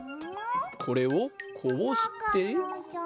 これをこうして。